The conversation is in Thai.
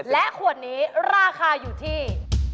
และขวดนี้ราคาอยู่ที่